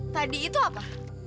tadi itu apa